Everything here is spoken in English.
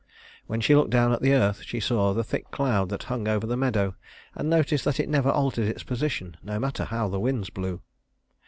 When she looked down at the earth, she saw the thick cloud that hung over the meadow and noticed that it never altered its position, no matter how the winds blew.